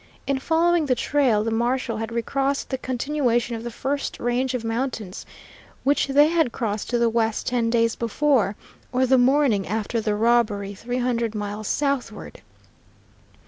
In following the trail the marshal had recrossed the continuation of the first range of mountains which they had crossed to the west ten days before, or the morning after the robbery, three hundred miles southward.